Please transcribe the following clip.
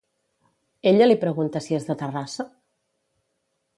Ella li pregunta si és de Terrassa?